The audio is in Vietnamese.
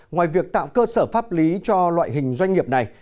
ngoài việc tạo cơ sở pháp lý cho loại hình doanh nghiệp này